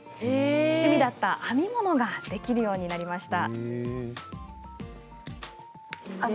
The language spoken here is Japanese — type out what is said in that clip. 趣味だった編み物ができるようなりました。